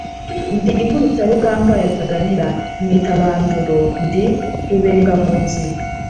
ndi inkubitarugamba ya Rutaganira, Mwitabanduru ndi Rubengampunzi.